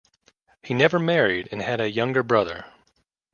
He never married and had a younger brother.